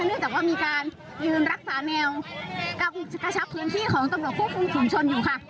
เนื่องจากว่ามีการยืนรักษาแนวกระชับพื้นที่ของตำรวจควบคุมฝุงชนอยู่ค่ะ